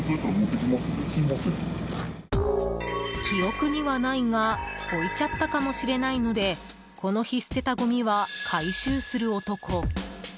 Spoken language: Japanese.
記憶にはないが置いちゃったかもしれないのでこの日、捨てたごみは回収する男。